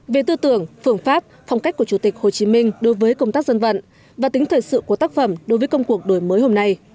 về tư tưởng phương pháp phong cách của chủ tịch hồ chí minh đối với công tác dân vận và tính thời sự của tác phẩm đối với công cuộc đổi mới hôm nay